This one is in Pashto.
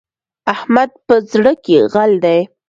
احمد په زړه کې غل دی.